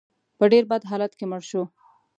په ډېر بد حالت کې مړ شو.